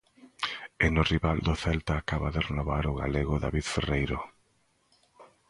E no rival do Celta acaba de renovar o galego David Ferreiro.